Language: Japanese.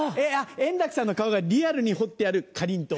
円楽さんの顔がリアルに彫ってあるかりんとう。